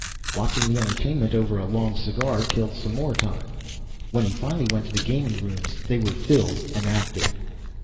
Watching the entertainment over a long cigar killed some more time. When he finally went to the gaming rooms they were filled and active.